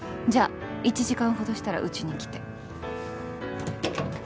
じゃあ１時間ほどしたらうちに来て。